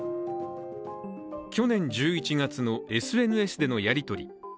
去年１１月のＳＮＳでのやりとり。